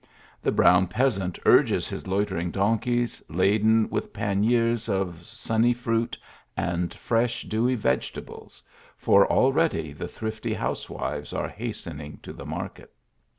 The brown peasant urges his loitering donkeys, laden with panniers of sunny fruit and fresh dewy vegetables for already the thrifty housewives are hastening to the market.